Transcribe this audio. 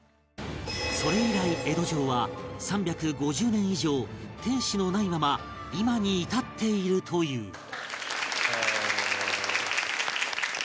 それ以来江戸城は３５０年以上天守のないまま今に至っているというさあ。